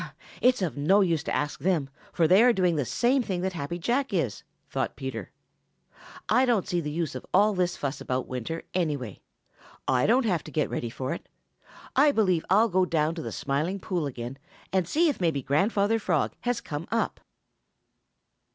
"It's of no use to ask them, for they are doing the same thing that Happy Jack is," thought Peter. "I don't see the use of all this fuss about winter, anyway. I don't have to get ready for it. I believe I'll go down to the Smiling Pool again and see if maybe Grandfather Frog has come up."